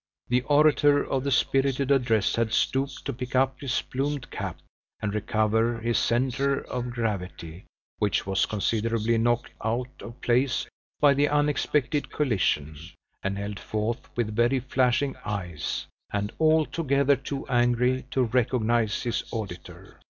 The orator of the spirited address had stooped to pick up his plumed cap, and recover his centre of gravity, which was considerably knocked out of place by the unexpected collision, and held forth with very flashing eyes, and altogether too angry to recognize his auditor.